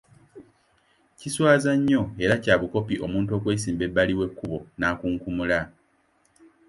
Kiswaza nnyo era kya bukopi omuntu okwesimba ebbali w’ekkubo n’akunkumula.